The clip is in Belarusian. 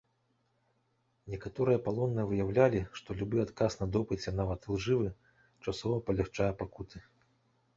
Некаторыя палонныя выяўлялі, што любы адказ на допыце, нават ілжывы, часова палягчае пакуты.